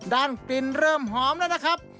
ด้านกลิ่นเริ่มหอมนะครับ